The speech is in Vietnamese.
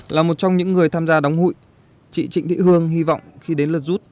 là một trong những người tham gia đóng hụi chị trịnh thị hương hy vọng khi đến lật rút